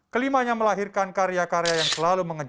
kelimanya melahirkan karya karya yang selalu mengejar